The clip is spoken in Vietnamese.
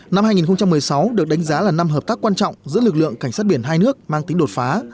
năm hai nghìn một mươi sáu được đánh giá là năm hợp tác quan trọng giữa lực lượng cảnh sát biển hai nước mang tính đột phá